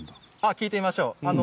聞いてみましょう。